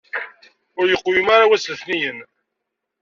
Ur yeqwim ara wass n letnayen.